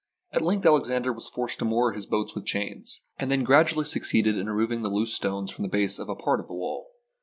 At length Alexander was forced to moor his boats with chains, and then gradually suc ceeded in removing the loose stones from the base of a part of the wall.